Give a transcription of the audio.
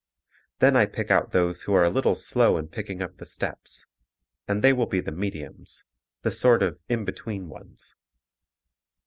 Then I pick out those who are a little slow in picking up the steps, and they will be the "mediums," the sort of "in between" ones.